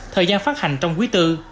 thời gian phát hành trong quý iv